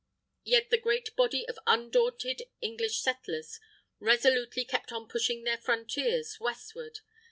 Yet the great body of undaunted English settlers, resolutely kept on pushing their frontiers westward.